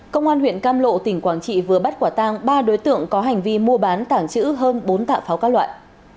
công an huyện cam lộ tỉnh quảng trị vừa bắt quả tang ba đối tượng có hành vi mua bán tảng chữ hơn bốn tạ pháo các loại